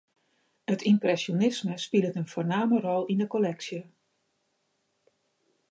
It ympresjonisme spilet in foarname rol yn 'e kolleksje.